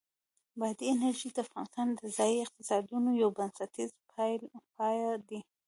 بادي انرژي د افغانستان د ځایي اقتصادونو یو بنسټیز پایایه دی.